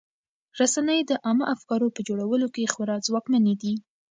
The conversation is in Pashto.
رسنۍ د عامه افکارو په جوړولو کې خورا ځواکمنې دي.